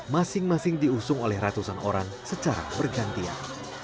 masing masing diusung oleh ratusan orang secara bergantian